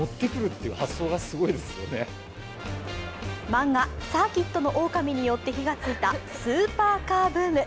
漫画「サーキットの狼」によって火が付いたスーパーカーブーム。